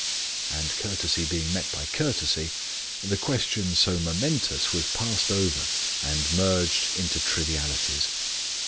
And courtesy being met by courtesy, the question so momentous was passed over, and merged into trivialities.